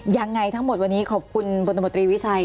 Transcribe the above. ยังไงทั้งหมดวันนี้ขอบคุณบนตมตรีวิชัย